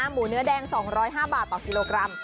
หมูเนื้อแดง๒๐๕บาทต่อกิโลกรัม